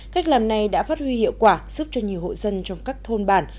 cách làm này đã phát huy hiệu quả giúp cho nhiều hộ dân trong các thôn bản